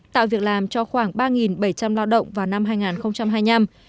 tạo việc làm cho khoảng ba bảy trăm linh lao động vào năm hai nghìn hai mươi năm